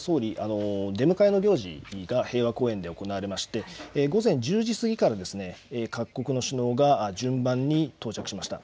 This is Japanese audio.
まず岸田総理、出迎えの行事が平和公園で行われまして午前１０時過ぎから各国の首脳が順番に到着しました。